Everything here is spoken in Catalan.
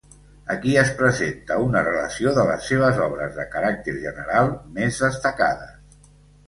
Aquí es presenta una relació de les seves obres de caràcter general més destacades.